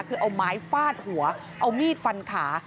คือเอาไม้ฟาดหัวเอามีดฟันขา